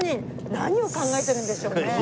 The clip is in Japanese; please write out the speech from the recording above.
何を考えてるんでしょうね。